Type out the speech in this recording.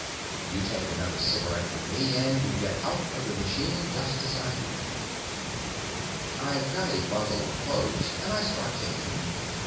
You take another cigaret from me and you get out of the machine, just as I do. I've got a bundle of clothes and I start changing.